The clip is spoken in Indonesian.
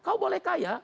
kau boleh kaya